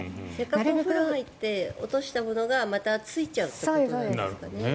お風呂入って落としたものがまたついちゃうってことなんですかね。